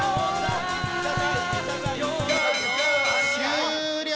終了！